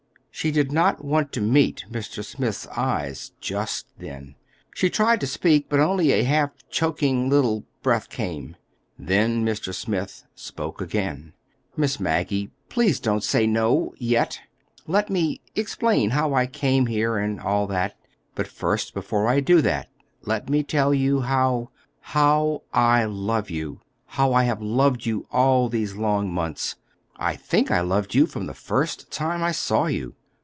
She did not want to meet Mr. Smith's eyes just then. She tried to speak, but only a half choking little breath came. Then Mr. Smith spoke again. "Miss Maggie, please don't say no—yet. Let me—explain—about how I came here, and all that. But first, before I do that, let me tell you how—how I love you—how I have loved you all these long months. I think I loved you from the first time I saw you.